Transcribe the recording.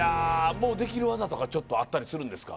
もうできる技とかちょっとあったりするんですか？